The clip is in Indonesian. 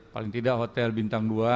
paling tidak hotel bintang dua